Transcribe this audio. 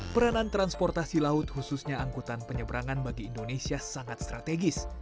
peranan transportasi laut khususnya angkutan penyeberangan bagi indonesia sangat strategis